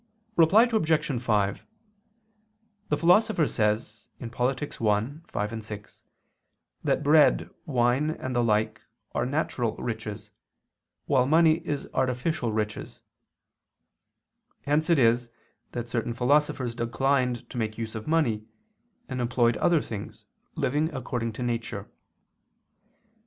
Reply Obj. 5: The Philosopher says (Polit. i, 5, 6) that bread, wine, and the like are natural riches, while money is artificial riches. Hence it is that certain philosophers declined to make use of money, and employed other things, living according to nature.